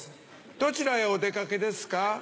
どちらへお出掛けですか？